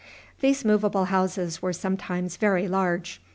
These movable houses were sometimes very large.